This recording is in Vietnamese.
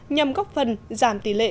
nhằm góp phần giảm tỷ lệ